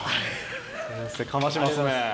先生かましますね。